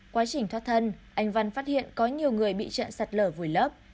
quá trình thoát thân anh văn phát hiện có nhiều người bị trận sạt lở vùi lấp